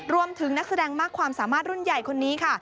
นักแสดงมากความสามารถรุ่นใหญ่คนนี้ค่ะ